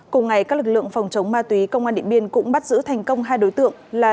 cùng ngày các lực lượng phòng chống ma túy công an điện biên cũng bắt giữ thành công hai đối tượng là